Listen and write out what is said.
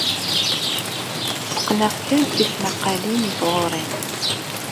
Tteqqneɣ kan tismaqqalin i tɣuri.